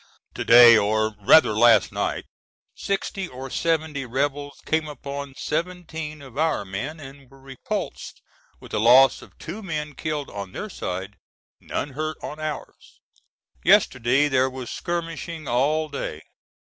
To day, or rather last night, sixty or seventy rebels came upon seventeen of our men and were repulsed with a loss of two men killed on their side, none hurt on ours. Yesterday there was skirmishing all day.